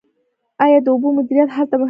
آیا د اوبو مدیریت هلته مهم نه دی؟